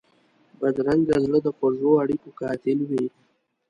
بدرنګه زړه د خوږو اړیکو قاتل وي